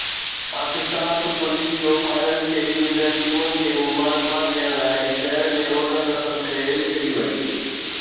Pakistan super league جو final کيڏي ويندڙ ٽيمن کي مبارڪباد ڏيڻ لاءِ شهر جي روڊن رستن تي ريلي ڪڍي وئي